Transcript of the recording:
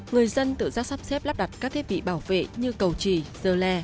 người dân tự ra sắp xếp lắp đặt các thiết bị bảo vệ như cầu trì dơ le